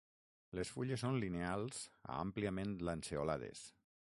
Les fulles són lineals a àmpliament lanceolades.